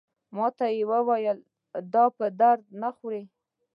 ماته یې وویل دا په درد نه خوري.